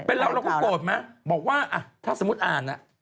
เป็นเราเราก็โกรธไหมบอกว่าอ่ะถ้าสมมุติอ่าน